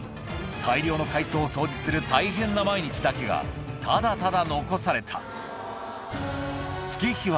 大量の海藻を掃除する大変な毎日だけがただただ残された。